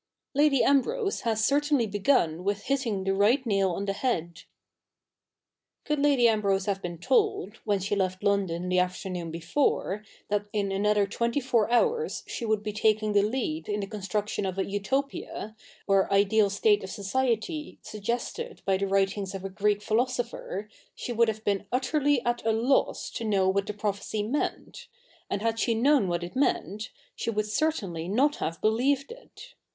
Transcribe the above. Lady Ambrose has certainly begun with hitting the right nail on the head.' Could Lady Ambrose have been told, when she left London the afternoon before, that in another twenty four hours she would be taking the lead in the construction of a Utopia, or ideal state of society, suggested by the writings of a Greek philosopher, she would have been utterly at a loss to know what the prophecy meant ; and had she known what it meant, she would certainly not have believed it.